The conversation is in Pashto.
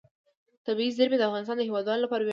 طبیعي زیرمې د افغانستان د هیوادوالو لپاره ویاړ دی.